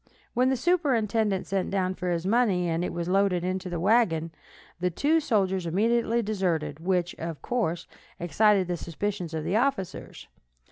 When the superintendent sent down for his money, and it was loaded into the wagon, the two soldiers immediately deserted, which, of course, excited the suspicions of the officers.